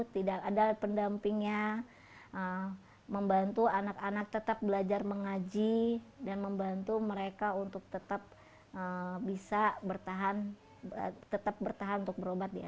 tidak ada pendampingnya membantu anak anak tetap belajar mengaji dan membantu mereka untuk tetap bertahan untuk berobat di rscn